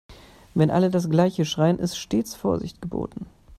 Wenn alle das gleiche schreien, ist stets Vorsicht geboten.